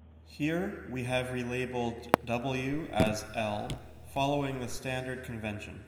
Here, we have relabeled W as L following the standard convention.